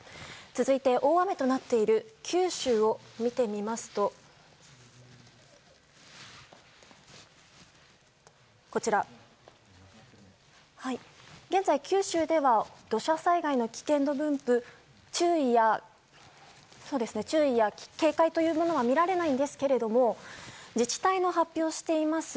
続いて、大雨となっている九州を見てみますと現在、九州では土砂災害の危険度分布注意や警戒というものは見られないんですけれども自治体の発表しています